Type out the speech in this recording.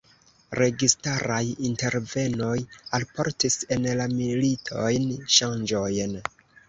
Registaraj intervenoj alportis en la militojn ŝanĝojn.